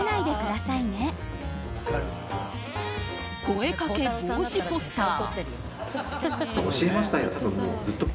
声掛け防止ポスター。